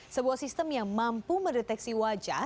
sebuah sistem yang mampu mendeteksi wajah